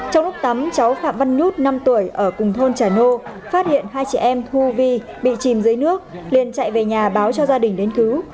trong lúc tắm cháu phạm văn nút năm tuổi ở cùng thôn trà nô phát hiện hai chị em thu vi bị chìm dưới nước liên chạy về nhà báo cho gia đình đến cứu